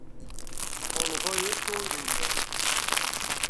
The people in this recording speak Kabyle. Ur nezṛi acu i d ayennat.